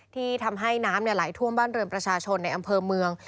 ที่ทำให้น้ำไหลท่วมบ้านเรือนประชาชนในอำเภอเมือง